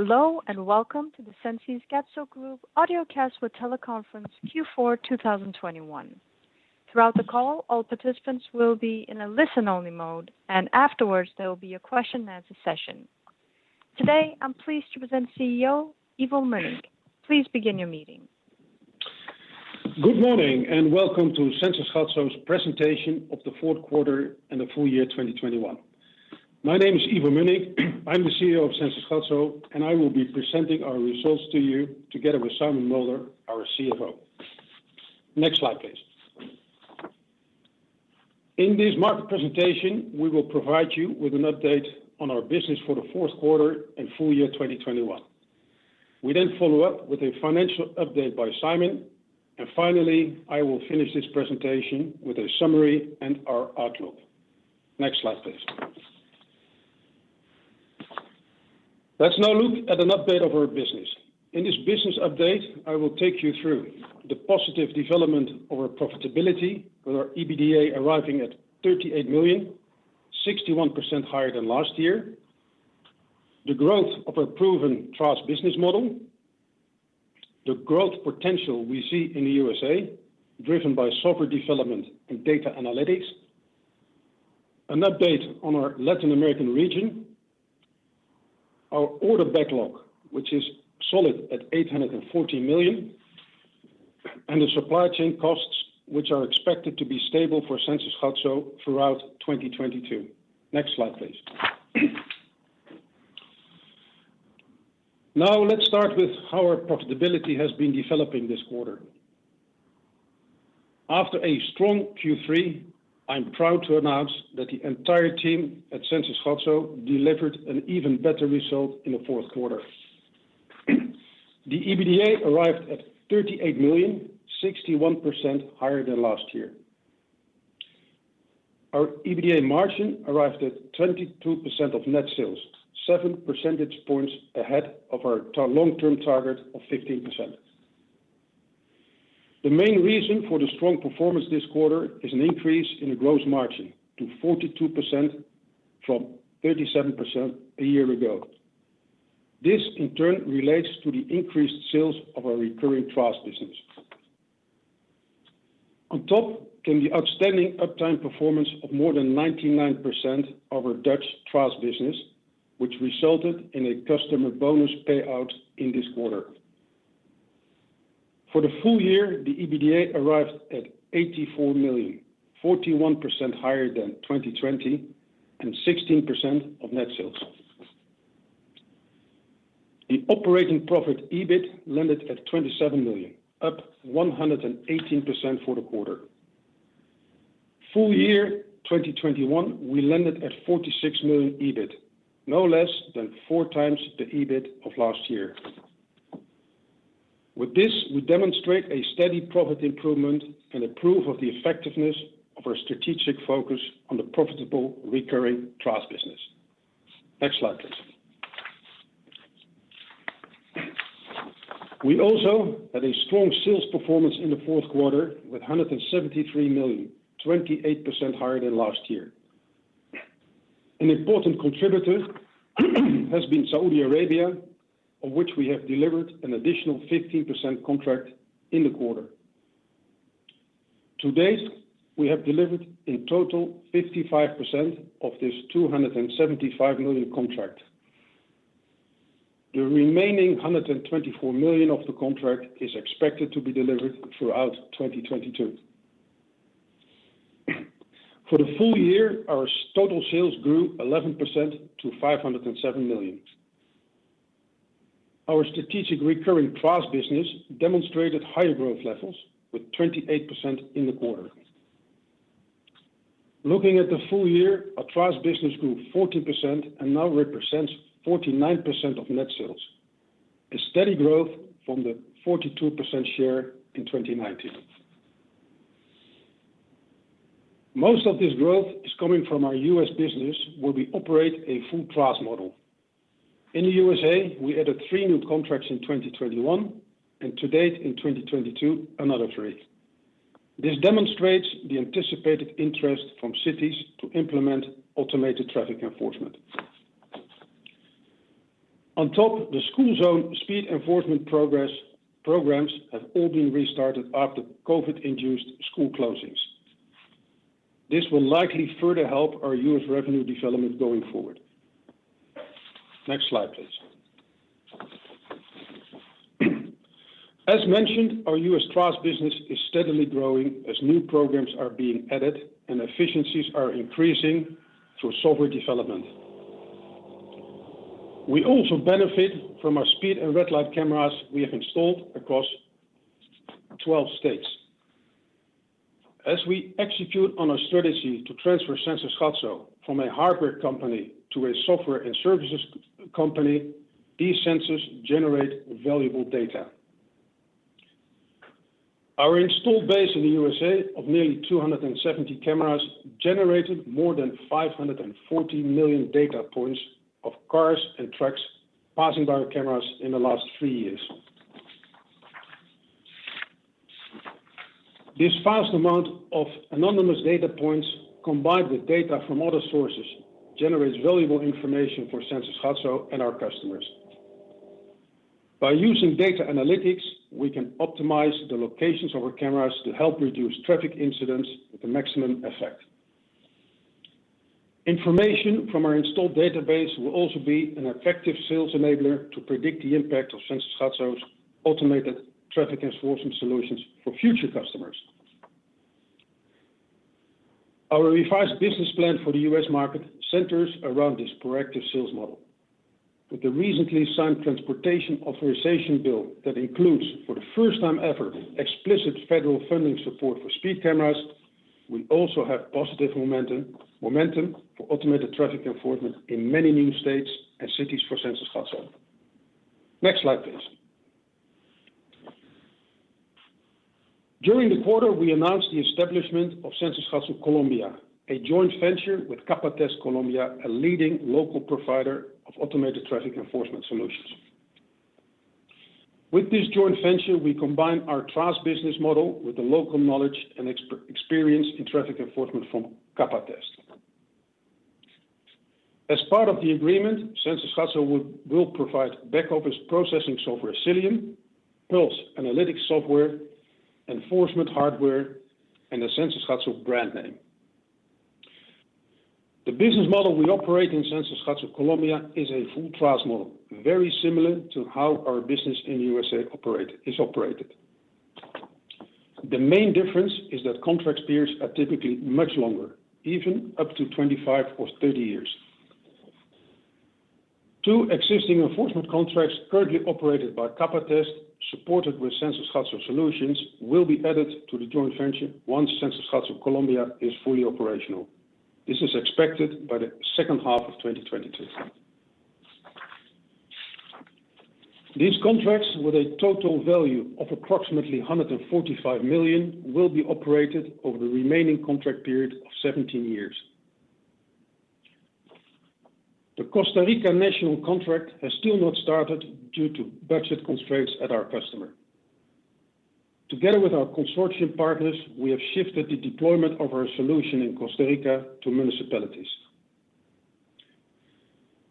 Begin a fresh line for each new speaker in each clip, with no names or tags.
Hello and welcome to the Sensys Gatso Group Audio Cast for Teleconference Q4 2021. Throughout the call, all participants will be in a listen-only mode, and afterwards, there will be a question and answer session. Today, I'm pleased to present CEO Ivo Mönnink. Please begin your meeting.
Good morning and welcome to Sensys Gatso's Presentation of Q4 and the Full Year 2021. My name is Ivo Mönnink. I'm the CEO of Sensys Gatso, and I will be presenting our results to you together with Simon Mulder, our CFO. Next slide, please. In this market presentation, we will provide you with an update on our business for Q4 and full year 2021. We then follow up with a financial update by Simon. Finally, I will finish this presentation with a summary and our outlook. Next slide, please. Let's now look at an update of our business. In this business update, I will take you through the positive development of our profitability with our EBITDA arriving at 38 million, 61% higher than last year. The growth of our proven TRaaS business model, the growth potential we see in the USA, driven by software development and data analytics, an update on our Latin American region, our order backlog, which is solid at 840 million, and the supply chain costs, which are expected to be stable for Sensys Gatso throughout 2022. Next slide, please. Now, let's start with how our profitability has been developing this quarter. After a strong Q3, I'm proud to announce that the entire team at Sensys Gatso delivered an even better result in Q4. The EBITDA arrived at 38 million, 61% higher than last year. Our EBITDA margin arrived at 22% of net sales, seven percentage points ahead of our long-term target of 15%. The main reason for the strong performance this quarter is an increase in the gross margin to 42% from 37% a year ago. This, in turn, relates to the increased sales of our recurring TRaaS business. On top came an outstanding uptime performance of more than 99% of our Dutch TRaaS business, which resulted in a customer bonus payout in this quarter. For the full year, the EBITDA arrived at 84 million, 41% higher than 2020 and 16% of net sales. The operating profit, EBIT, landed at 27 million, up 118% for the quarter. Full year 2021, we landed at 46 million EBIT, no less than 4x the EBIT of last year. With this, we demonstrate a steady profit improvement and a proof of the effectiveness of our strategic focus on the profitable recurring TRaaS business. Next slide, please. We also had a strong sales performance in Q4 with 173 million, 28% higher than last year. An important contributor has been Saudi Arabia, of which we have delivered an additional 15% of the contract in the quarter. To date, we have delivered in total 55% of this 275 million contract. The remaining 124 million of the contract is expected to be delivered throughout 2022. For the full year, our total sales grew 11% to 507 million. Our strategic recurring TRaaS business demonstrated higher growth levels with 28% in the quarter. Looking at the full year, our TRaaS business grew 14% and now represents 49% of net sales. A steady growth from the 42% share in 2019. Most of this growth is coming from our U.S. business, where we operate a full TRaaS model. In the U.S., we added three new contracts in 2021, and to date in 2022, another three. This demonstrates the anticipated interest from cities to implement automated traffic enforcement. On top, the school zone speed enforcement programs have all been restarted after COVID-induced school closings. This will likely further help our U.S. revenue development going forward. Next slide, please. As mentioned, our U.S. TRaaS business is steadily growing as new programs are being added and efficiencies are increasing through software development. We also benefit from our speed and red light cameras we have installed across 12 states. As we execute on our strategy to transfer Sensys Gatso from a hardware company to a software and services company, these sensors generate valuable data. Our installed base in the U.S. of nearly 270 cameras generated more than 540 million data points of cars and trucks passing by our cameras in the last three years. This vast amount of anonymous data points combined with data from other sources generates valuable information for Sensys Gatso and our customers. By using data analytics, we can optimize the locations of our cameras to help reduce traffic incidents with the maximum effect. Information from our installed database will also be an effective sales enabler to predict the impact of Sensys Gatso's automated traffic enforcement solutions for future customers. Our revised business plan for the U.S. market centers around this proactive sales model. With the recently signed transportation authorization bill that includes, for the first time ever, explicit federal funding support for speed cameras, we also have positive momentum for automated traffic enforcement in many new states and cities for Sensys Gatso. Next slide, please. During the quarter, we announced the establishment of Sensys Gatso Colombia, a joint venture with Capatest Colombia, a leading local provider of automated traffic enforcement solutions. With this joint venture, we combine our TRaaS business model with the local knowledge and experience in traffic enforcement from Capatest. As part of the agreement, Sensys Gatso will provide back-office processing software, Xilium, Puls analytics software, enforcement hardware, and the Sensys Gatso brand name. The business model we operate in Sensys Gatso Colombia is a full TRaaS model, very similar to how our business in USA is operated. The main difference is that contract periods are typically much longer, even up to 25 or 30 years. Two existing enforcement contracts currently operated by Capatest, supported with Sensys Gatso solutions, will be added to the joint venture once Sensys Gatso Colombia is fully operational. This is expected by the second half of 2022. These contracts, with a total value of approximately 145 million, will be operated over the remaining contract period of 17 years. The Costa Rica national contract has still not started due to budget constraints at our customer. Together with our consortium partners, we have shifted the deployment of our solution in Costa Rica to municipalities.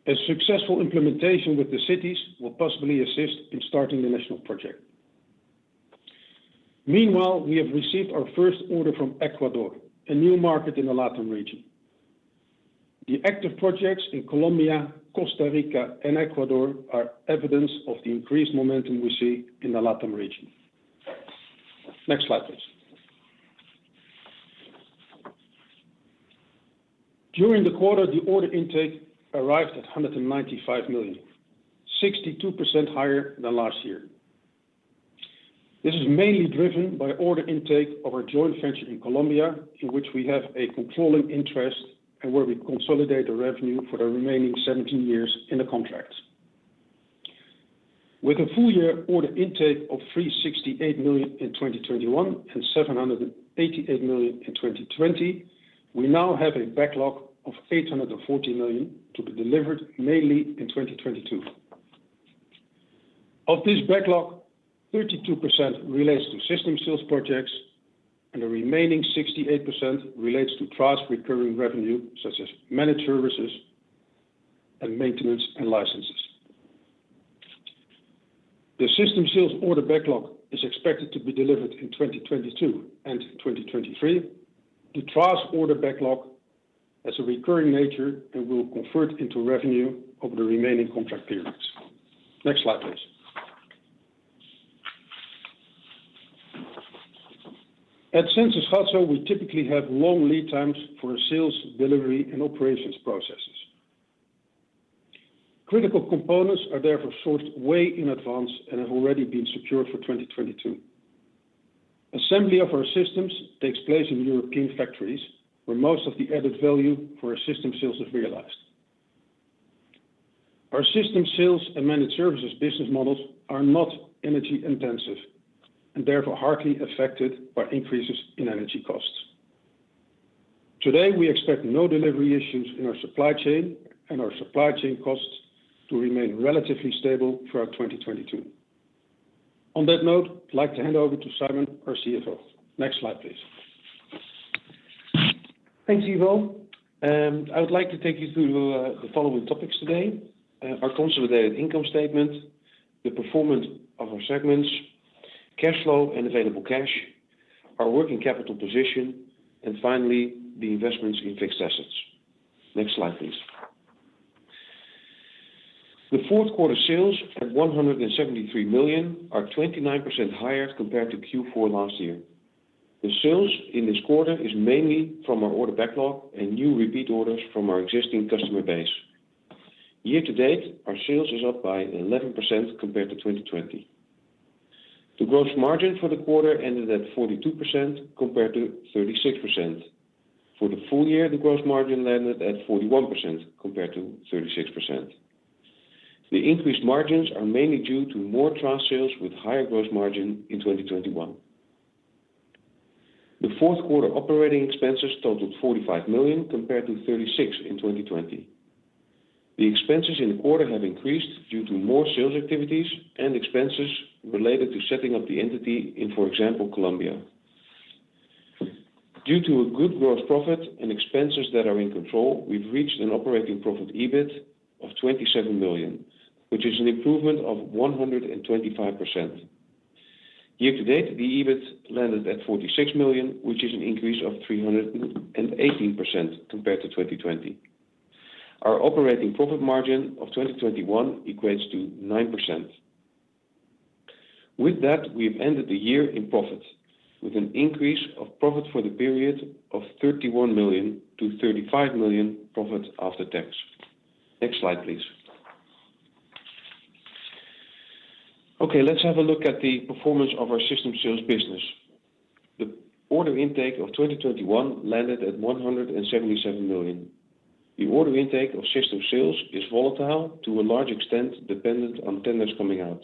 A successful implementation with the cities will possibly assist in starting the national project. Meanwhile, we have received our first order from Ecuador, a new market in the LATAM region. The active projects in Colombia, Costa Rica, and Ecuador are evidence of the increased momentum we see in the LATAM region. Next slide, please. During the quarter, the order intake arrived at 195 million, 62% higher than last year. This is mainly driven by order intake of our joint venture in Colombia, in which we have a controlling interest and where we consolidate the revenue for the remaining seventeen years in the contract. With a full year order intake of 368 million in 2021 and 788 million in 2020, we now have a backlog of 840 million to be delivered mainly in 2022. Of this backlog, 32% relates to System Sales projects and the remaining 68% relates to TRaaS recurring revenue such as Managed Services and maintenance and licenses. The System Sales order backlog is expected to be delivered in 2022 and 2023. The TRaaS order backlog has a recurring nature and will convert into revenue over the remaining contract periods. Next slide, please. At Sensys Gatso, we typically have long lead times for our sales, delivery, and operations processes. Critical components are therefore sourced way in advance and have already been secured for 2022. Assembly of our systems takes place in European factories, where most of the added value for our System Sales is realized. Our System Sales and Managed Services business models are not energy-intensive and therefore hardly affected by increases in energy costs. Today, we expect no delivery issues in our supply chain and our supply chain costs to remain relatively stable throughout 2022. On that note, I'd like to hand over to Simon, our CFO. Next slide, please.
Thanks, Ivo. I would like to take you through the following topics today. Our consolidated income statement, the performance of our segments, cash flow and available cash, our working capital position, and finally, the investments in fixed assets. Next slide, please. The fourth quarter sales at 173 million are 29% higher compared to Q4 last year. The sales in this quarter is mainly from our order backlog and new repeat orders from our existing customer base. Year to date, our sales is up by 11% compared to 2020. The gross margin for the quarter ended at 42% compared to 36%. For the full year, the gross margin landed at 41% compared to 36%. The increased margins are mainly due to more TRaaS sales with higher gross margin in 2021. Q4 operating expenses totaled 45 compared to 36 million in 2020. The expenses in the quarter have increased due to more sales activities and expenses related to setting up the entity in, for example, Colombia. Due to a good growth profit and expenses that are in control, we've reached an operating profit (EBIT) of 27 million, which is an improvement of 125%. Year-to-date, the EBIT landed at 46 million, which is an increase of 318% compared to 2020. Our operating profit margin of 2021 equates to 9%. With that, we've ended the year in profit with an increase of profit for the period of 31 to 35 million profit after tax. Next slide, please. Okay, let's have a look at the performance of our System Sales business. The order intake of 2021 landed at 177 million. The order intake of System Sales is volatile to a large extent, dependent on tenders coming out.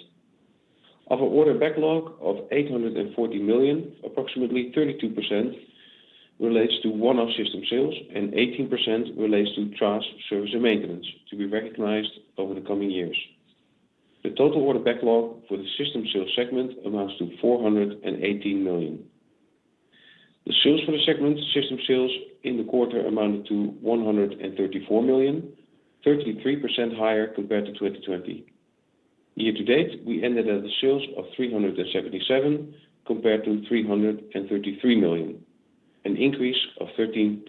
Of an order backlog of 840 million, approximately 32% relates to one-off System Sales and 18% relates to TRaaS, service, and maintenance to be recognized over the coming years. The total order backlog for the System Sales segment amounts to 418 million. The sales for the segment System Sales in the quarter amounted to 134 million, 33% higher compared to 2020. Year to date, we ended at the sales of 377 compared to 333 million, an increase of 13%.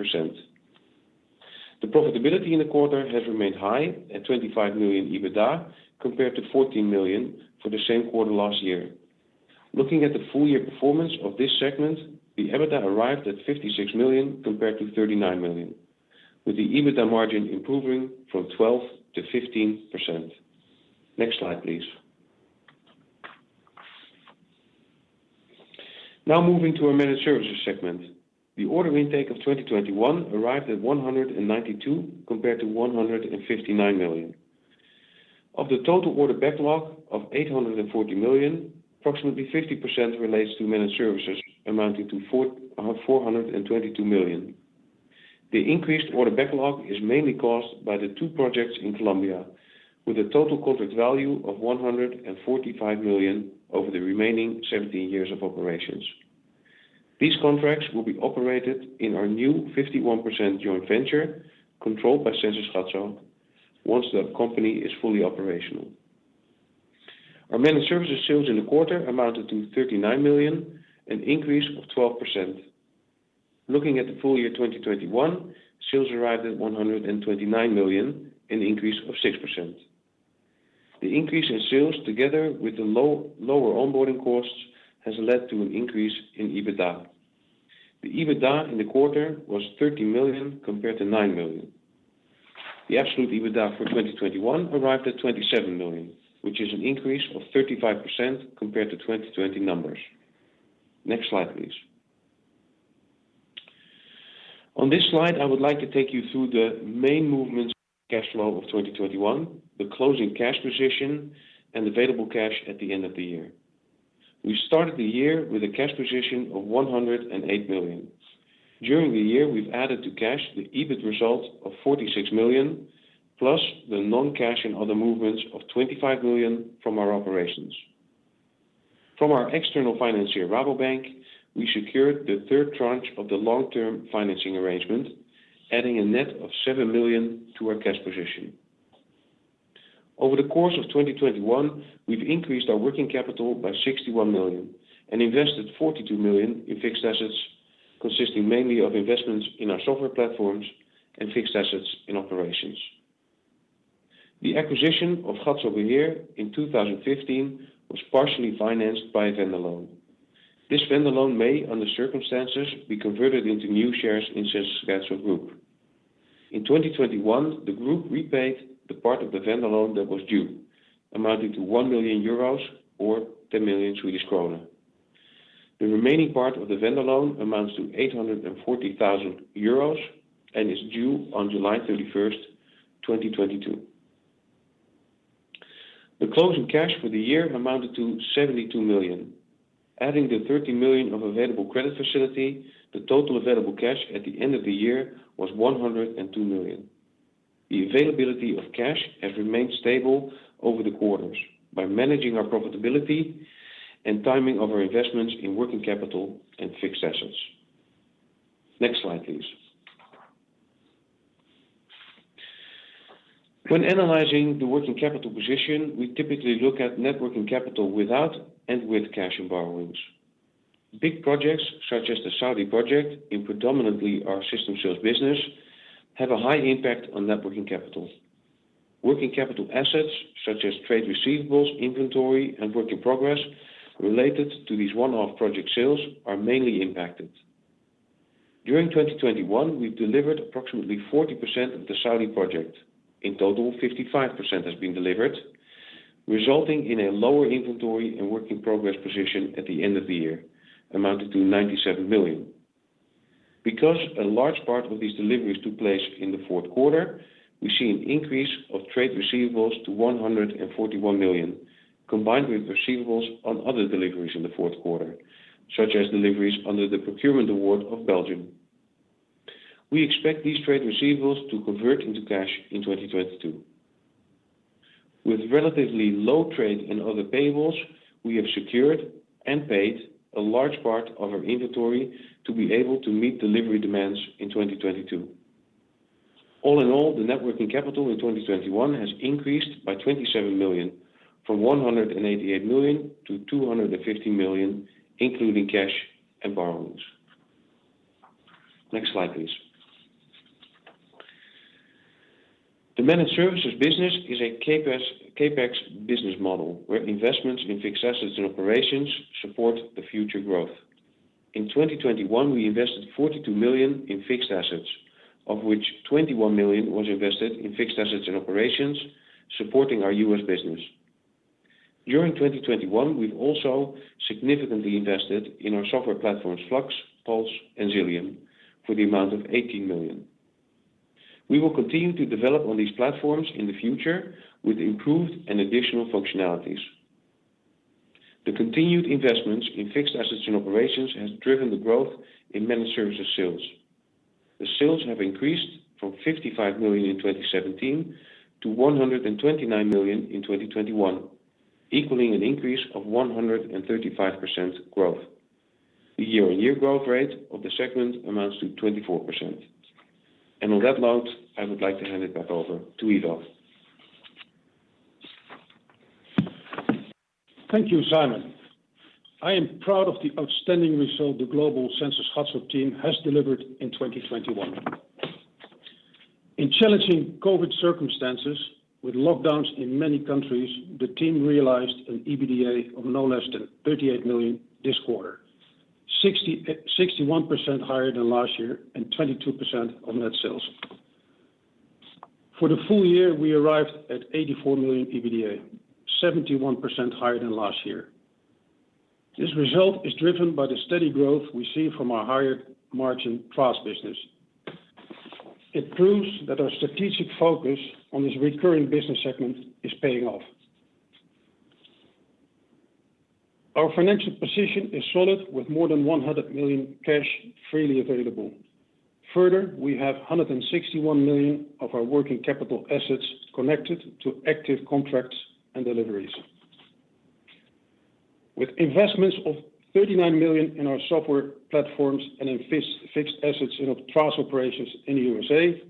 The profitability in the quarter has remained high at 25 EBITDA compared to 14 million for the same quarter last year. Looking at the full year performance of this segment, the EBITDA arrived at 56 compared to 39 million, with the EBITDA margin improving from 12%-15%. Next slide, please. Now moving to our Managed Services segment. The order intake of 2021 arrived at 192 compared to 159 million. Of the total order backlog of 840 million, approximately 50% relates to Managed Services amounting to 422 million. The increased order backlog is mainly caused by the two projects in Colombia with a total contract value of 145 million over the remaining 17 years of operations. These contracts will be operated in our new 51% joint venture controlled by Sensys Gatso, once that company is fully operational. Our Managed Services sales in the quarter amounted to 39 million, an increase of 12%. Looking at the full year 2021, sales arrived at 129 million, an increase of 6%. The increase in sales, together with the lower onboarding costs, has led to an increase in EBITDA. The EBITDA in the quarter was 13 compared to 9 million. The absolute EBITDA for 2021 arrived at 27 million, which is an increase of 35% compared to 2020 numbers. Next slide, please. On this slide, I would like to take you through the main movements in cash flow of 2021, the closing cash position, and available cash at the end of the year. We started the year with a cash position of 108 million. During the year, we've added to cash the EBIT results of 46 million, plus the non-cash and other movements of 25 million from our operations. From our external financier, Rabobank, we secured the third tranche of the long-term financing arrangement, adding a net of 7 million to our cash position. Over the course of 2021, we've increased our working capital by 61 million and invested 42 million in fixed assets, consisting mainly of investments in our software platforms and fixed assets in operations. The acquisition of Gatso over here in 2015 was partially financed by a vendor loan. This vendor loan may, under circumstances, be converted into new shares in Sensys Gatso Group. In 2021, the group repaid the part of the vendor loan that was due, amounting to 1 million euros or 10 million Swedish kronor. The remaining part of the vendor loan amounts to 840,000 euros and is due on July 31, 2022. The closing cash for the year amounted to 72 million. Adding the 13 million of available credit facility, the total available cash at the end of the year was 102 million. The availability of cash has remained stable over the quarters by managing our profitability and timing of our investments in working capital and fixed assets. Next slide, please. When analyzing the working capital position, we typically look at net working capital without and with cash and borrowings. Big projects such as the Saudi project in predominantly our System Sales business have a high impact on net working capital. Working capital assets such as trade receivables, inventory, and work in progress related to these one-off project sales are mainly impacted. During 2021, we've delivered approximately 40% of the Saudi project. In total, 55% has been delivered, resulting in a lower inventory and work in progress position at the end of the year, amounting to 97 million. Because a large part of these deliveries took place in Q4, we see an increase of trade receivables to 141 million. Combined with receivables on other deliveries in Q4, such as deliveries under the procurement award of Belgium. We expect these trade receivables to convert into cash in 2022. With relatively low trade and other payables, we have secured and paid a large part of our inventory to be able to meet delivery demands in 2022. All in all, the net working capital in 2021 has increased by 27 million from 188 to 250 million, including cash and borrowings. Next slide, please. The Managed Services business is a CapEx business model, where investments in fixed assets and operations support the future growth. In 2021, we invested 42 million in fixed assets, of which 21 million was invested in fixed assets and operations supporting our U.S. business. During 2021, we've also significantly invested in our software platforms, FLUX, Puls and Xilium, for the amount of 18 million. We will continue to develop on these platforms in the future with improved and additional functionalities. The continued investments in fixed assets and operations has driven the growth in Managed Services sales. The sales have increased from 55 million in 2017 to 129 million in 2021, equaling an increase of 135% growth. The year-on-year growth rate of the segment amounts to 24%. On that note, I would like to hand it back over to Ivo.
Thank you, Simon. I am proud of the outstanding result the global Sensys Gatso team has delivered in 2021. In challenging COVID circumstances with lockdowns in many countries, the team realized an EBITDA of no less than 38 million this quarter, 61% higher than last year and 22% on net sales. For the full year, we arrived at 84 million EBITDA, 71% higher than last year. This result is driven by the steady growth we see from our higher margin TRaaS business. It proves that our strategic focus on this recurring business segment is paying off. Our financial position is solid with more than 100 million cash freely available. Further, we have 161 million of our working capital assets connected to active contracts and deliveries. With investments of 39 million in our software platforms and in fixed assets in our TRaaS operations in USA,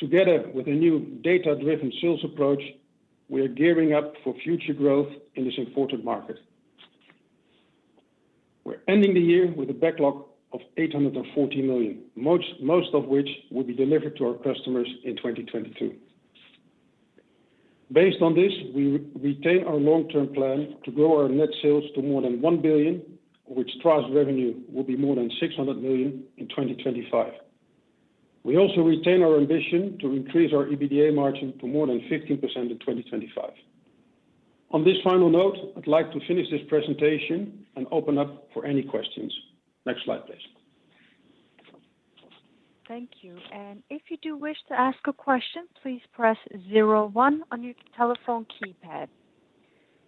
together with a new data-driven sales approach, we are gearing up for future growth in this important market. We're ending the year with a backlog of 840 million, most of which will be delivered to our customers in 2022. Based on this, we retain our long-term plan to grow our net sales to more than 1 billion, of which TRaaS revenue will be more than 600 million in 2025. We also retain our ambition to increase our EBITDA margin to more than 15% in 2025. On this final note, I'd like to finish this presentation and open up for any questions. Next slide, please.
Thank you and if you wish to ask a question please press zero one on your telephone keypad.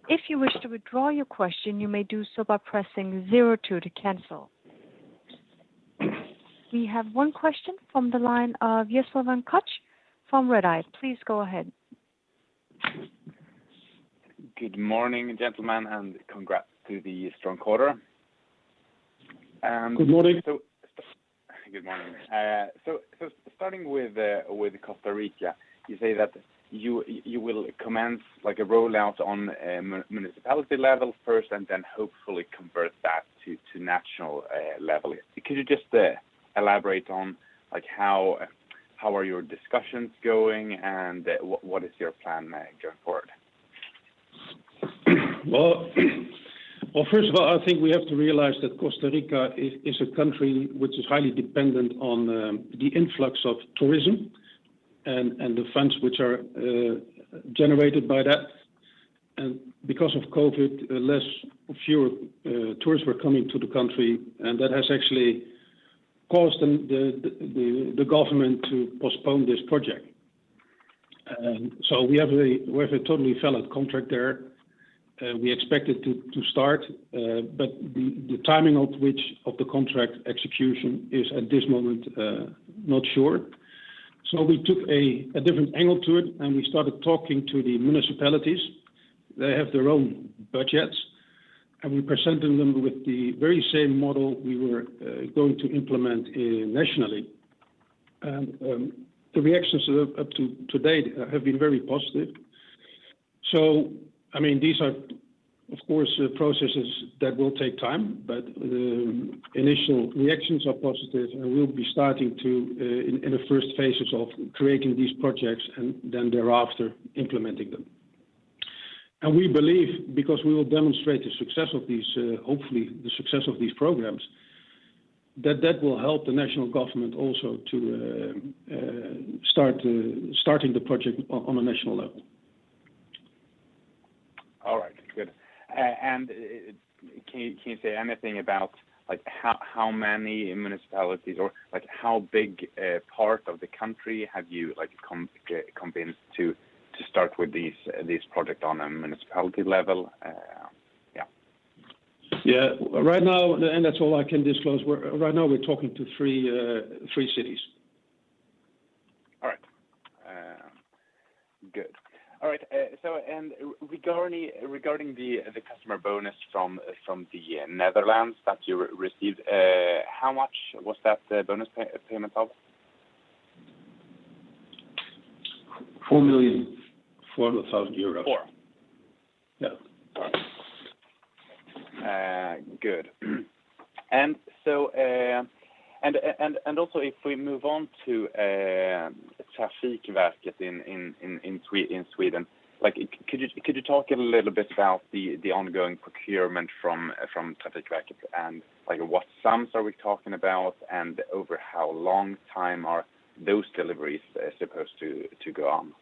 If you wish to withdraw your question, you may do so by pressing zero two to cancel. We have one question from the line of Jesper von Koch from Redeye. Please go ahead.
Good morning, gentlemen, and congrats to the strong quarter.
Good morning.
Good morning. Starting with Costa Rica, you say that you will commence like a rollout on municipality level first and then hopefully convert that to national level. Could you just elaborate on, like, how are your discussions going and what is your plan going forward?
Well, first of all, I think we have to realize that Costa Rica is a country which is highly dependent on the influx of tourism and the funds which are generated by that. Because of COVID, fewer tourists were coming to the country, and that has actually caused the government to postpone this project. We have a totally valid contract there. We expect it to start, but the timing of the contract execution is at this moment not sure. We took a different angle to it, and we started talking to the municipalities. They have their own budgets, and we presented them with the very same model we were going to implement nationally. The reactions up to date have been very positive. I mean, these are of course processes that will take time, but the initial reactions are positive, and we'll be starting to in the first phases of creating these projects and then thereafter implementing them. We believe because we will demonstrate the success of these, hopefully the success of these programs, that will help the national government also to starting the project on a national level.
All right, good. Can you say anything about, like how many municipalities or like how big a part of the country have you like convinced to start with these project on a municipality level?
Yeah. Right now, and that's all I can disclose. Right now, we're talking to three cities.
Regarding the customer bonus from the Netherlands that you received, how much was that bonus payment of?
EUR 4.4 million.
Four?
Yeah.
Also, if we move on to Trafikverket in Sweden, like could you talk a little bit about the ongoing procurement from Trafikverket, and like what sums are we talking about, and over how long time are those deliveries supposed to go on?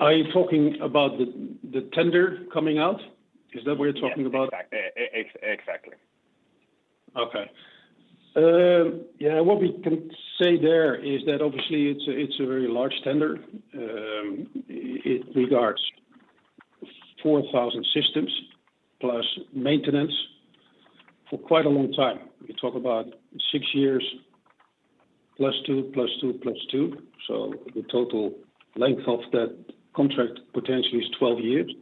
Are you talking about the tender coming out? Is that what you're talking about?
Yeah, exactly.
Okay. Yeah, what we can say there is that obviously it's a very large tender. It regards 4,000 systems plus maintenance for quite a long time. We talk about six years, + 2, + 2, + 2. The total length of that contract potentially is 12 years.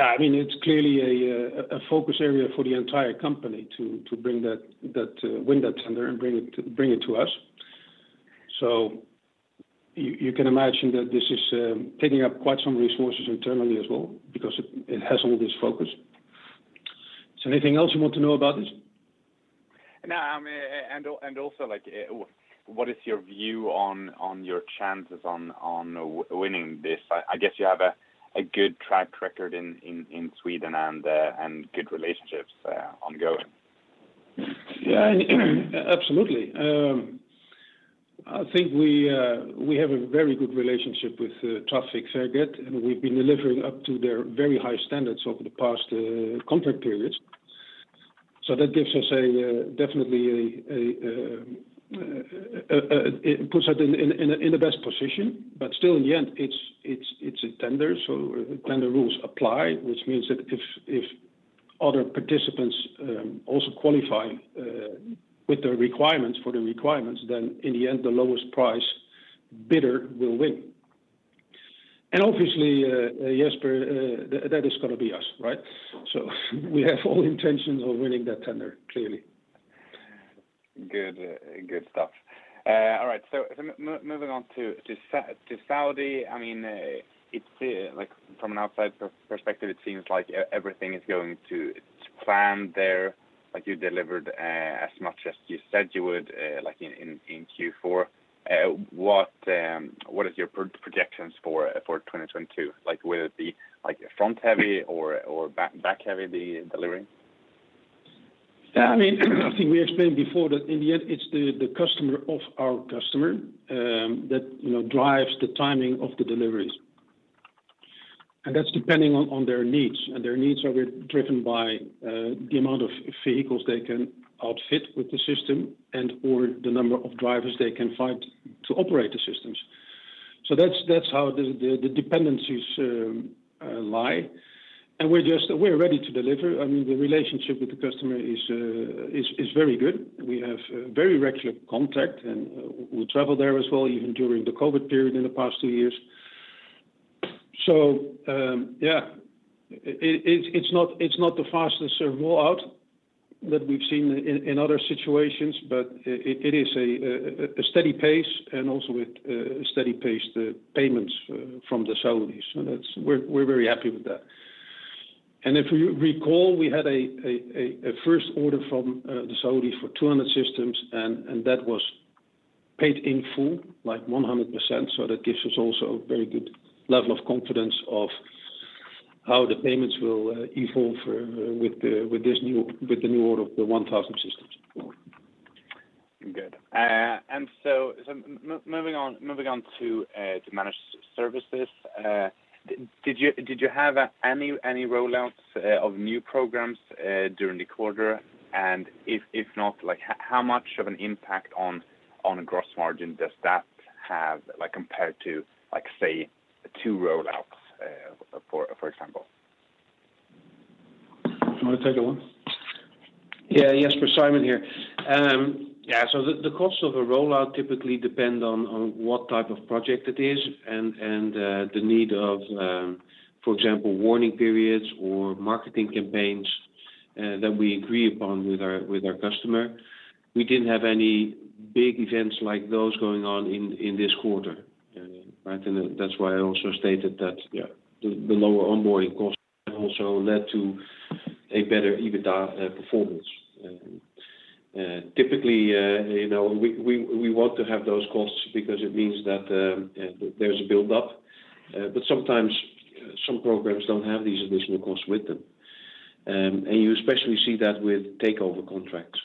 Yeah, I mean, it's clearly a focus area for the entire company to win that tender and bring it to us. You can imagine that this is taking up quite some resources internally as well because it has all this focus. Is there anything else you want to know about this?
No, I mean, also, like, what is your view on your chances of winning this? I guess you have a good track record in Sweden and good relationships ongoing.
Yeah, absolutely. I think we have a very good relationship with Trafikverket, and we've been delivering up to their very high standards over the past contract periods. It puts us in the best position. Still in the end, it's a tender, so the tender rules apply, which means that if other participants also qualify with the requirements, then in the end, the lowest price bidder will win. Obviously, Jesper, that is gonna be us, right? We have all intentions of winning that tender, clearly.
Good, good stuff. All right. Moving on to Saudi, I mean, it feels like from an outside perspective, it seems like everything is going to plan there. Like you delivered as much as you said you would, like in Q4. What is your projections for 2022? Like, will it be like front-heavy or back-heavy, the delivery?
Yeah, I mean, I think we explained before that in the end, it's the customer of our customer that you know drives the timing of the deliveries. That's depending on their needs, and their needs are driven by the amount of vehicles they can outfit with the system and or the number of drivers they can find to operate the systems. That's how the dependencies lie. We're ready to deliver. I mean, the relationship with the customer is very good. We have very regular contact, and we travel there as well, even during the COVID period in the past two years. Yeah, it's not the fastest rollout that we've seen in other situations, but it is a steady pace and also with a steady pace, the payments from the Saudis. We're very happy with that. If you recall, we had a first order from the Saudis for 200 systems, and that was paid in full, like 100%. That gives us also a very good level of confidence of how the payments will evolve for with this new order of the 1,000 systems.
Good. Moving on to Managed Services, did you have any rollouts of new programs during the quarter? If not, like how much of an impact on gross margin does that have, like, compared to, like, say, two rollouts, for example?
You want to take this one?
Yeah. Jesper, Simon here. The cost of a rollout typically depend on what type of project it is and the need of, for example, warning periods or marketing campaigns that we agree upon with our customer. We didn't have any big events like those going on in this quarter, right? That's why I also stated that the lower onboarding costs also led to a better EBITDA performance. Typically, you know, we want to have those costs because it means that there's a build-up. Sometimes some programs don't have these additional costs with them. You especially see that with takeover contracts,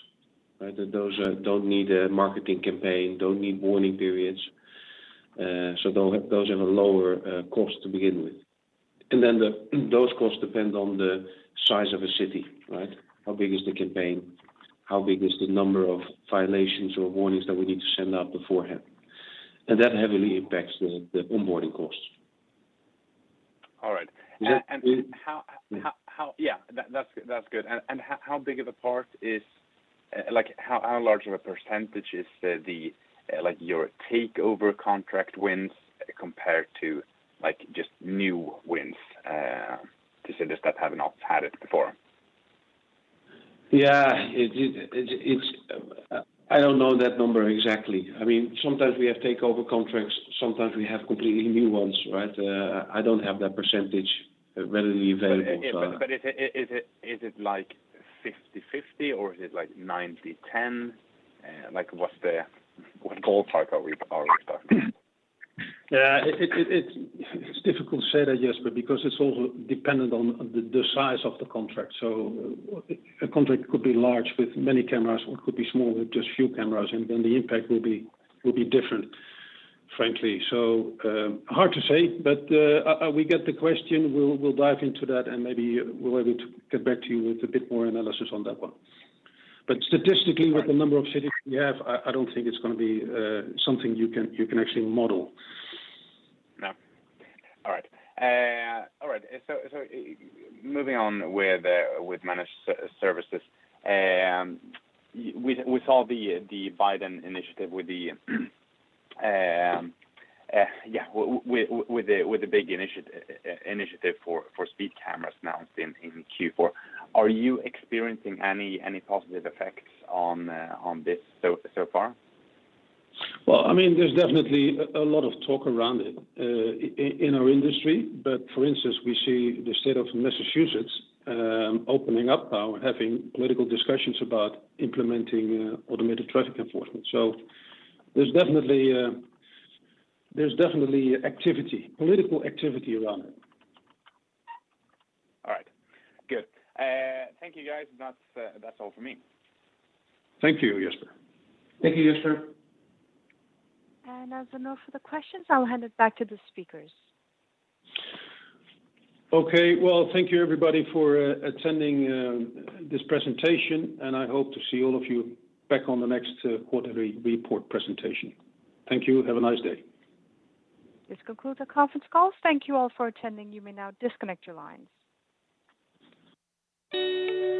right? That those don't need a marketing campaign, don't need warning periods. Those have a lower cost to begin with.
Those costs depend on the size of a city, right? How big is the campaign? How big is the number of violations or warnings that we need to send out beforehand? That heavily impacts the onboarding costs.
All right.
Is that-
Yeah. That's good. How big of a part is, like, how large of a percentage is the like your takeover contract wins compared to like just new wins to cities that have not had it before?
Yeah. I don't know that number exactly. I mean, sometimes we have takeover contracts, sometimes we have completely new ones, right? I don't have that percentage readily available, so.
Yeah. Is it like 50% 50% or is it like 90% 10%? Like what's the ballpark are we talking?
Yeah. It's difficult to say that, Jesper, because it's also dependent on the size of the contract. A contract could be large with many cameras, or it could be small with just few cameras, and then the impact will be different, frankly. Hard to say. We get the question. We'll dive into that, and maybe we're able to get back to you with a bit more analysis on that one. Statistically-
Right
With the number of cities we have, I don't think it's gonna be something you can actually model.
No. All right. Moving on with Managed Services. We saw the Biden initiative with the big initiative for speed cameras announced in Q4. Are you experiencing any positive effects on this so far?
Well, I mean, there's definitely a lot of talk around it in our industry, but for instance, we see the state of Massachusetts opening up now, having political discussions about implementing automated traffic enforcement. There's definitely activity, political activity around it.
All right. Good. Thank you guys. That's all for me.
Thank you, Jesper.
Thank you, Jesper.
As there are no further questions, I'll hand it back to the speakers.
Okay. Well, thank you everybody for attending this presentation, and I hope to see all of you back on the next quarterly report presentation. Thank you. Have a nice day.
This concludes our conference call. Thank you all for attending. You may now disconnect your lines.